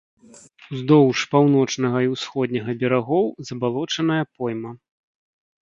Уздоўж паўночнага і ўсходняга берагоў забалочаная пойма.